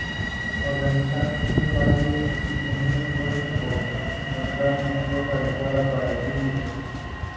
Organizan un baile en un esfuerzo por encontrar una esposa adecuada para el Príncipe.